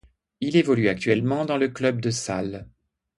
Il évolue actuellement dans le club de Sale.